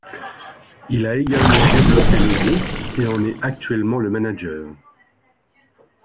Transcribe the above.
Il a également développé le groupe et en est actuellement le manager.